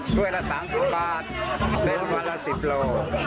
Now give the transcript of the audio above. จ้วยละ๓๐บาทเต้นวันละ๑๐โล